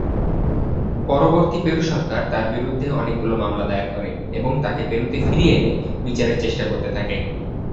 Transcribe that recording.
পরবর্তী পেরু সরকার তার বিরুদ্ধে অনেকগুলি মামলা দায়ের করে এবং তাকে পেরুতে ফিরিয়ে এনে বিচারের চেষ্টা করতে থাকে।